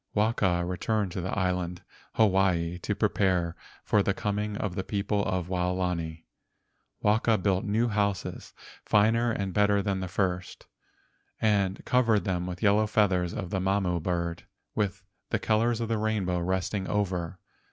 Waka returned to the island Hawaii to pre¬ pare for the coming of the people from Waolani. 124 LEGENDS OF GHOSTS Waka built new houses finer and better than the first, and covered them with the yellow feathers of the Mamo bird with the colors of the rainbow resting over.